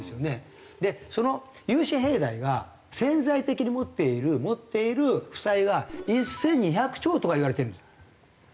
でその融資平台が潜在的に持っている持っている負債が１２００兆とかいわれてるんですよ。